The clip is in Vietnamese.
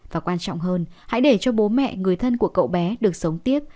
và quan trọng hơn hãy để cho bố mẹ người thân của cậu bé được sống tiếp